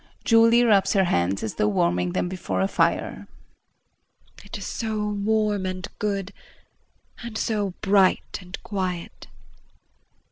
Julie rubs her hands as though warming them before a fire]. It is so warm and good and so bright and quiet!